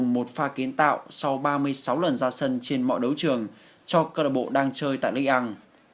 một pha kiến tạo sau ba mươi sáu lần ra sân trên mọi đấu trường cho cơ đội bộ đang chơi tại ligue một